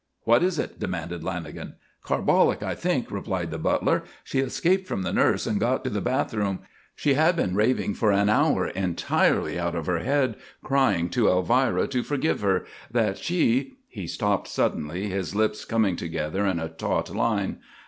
"What is it?" demanded Lanagan. "Carbolic, I think," replied the butler. "She escaped from the nurse and got to the bathroom. She had been raving for an hour entirely out of her head crying to Elvira to forgive her that she " he stopped suddenly, his lips coming together in a taut line.